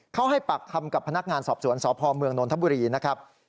ให้ปากคำกับพนักงานสอบสวนสพเมืองนนทบุรีนะครับ